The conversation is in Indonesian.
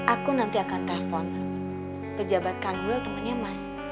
aku nanti akan telepon pejabat khanwil temennya mas